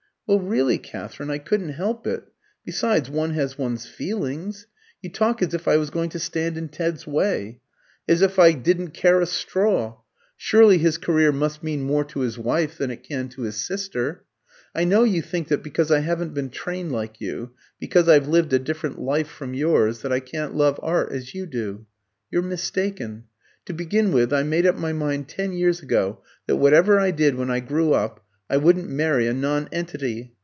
"Well, really, Katherine, I couldn't help it. Besides, one has one's feelings. You talk as if I was going to stand in Ted's way as if I didn't care a straw. Surely his career must mean more to his wife than it can to his sister? I know you think that because I haven't been trained like you, because I've lived a different life from yours, that I can't love art as you do. You're mistaken. To begin with, I made up my mind ten years ago that whatever I did when I grew up, I wouldn't marry a nonentity.